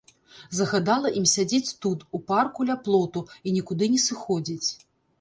Загадала ім сядзець тут, у парку ля плоту, і нікуды не сыходзіць.